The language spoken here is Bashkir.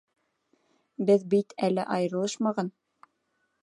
Беҙ бит әле айырылышмаған.